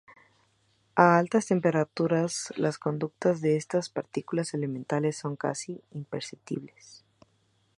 A altas temperaturas, las conductas de estas partículas elementales son casi imperceptibles.